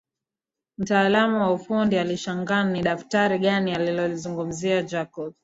Mtaalamu wa ufundi alishangaa ni daftari gani analolizungumzia Jacob